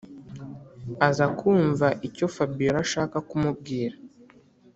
aza kumva icyo fabiora ashaka kumubwira.